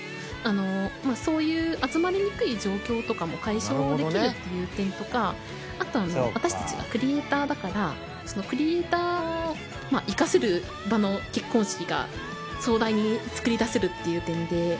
そういう集まりにくい状況とかも解消できるという点とかあと私たちがクリエイターだからクリエイターを生かせる場の結婚式が壮大に作り出せるっていう点で。